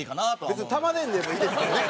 別に束ねんでもいいですけどね。